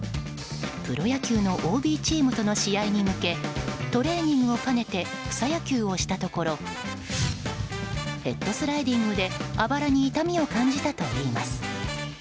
プロ野球のＯＢチームとの試合に向けトレーニングを兼ねて草野球をしたところヘッドスライディングであばらに痛みを感じたといいます。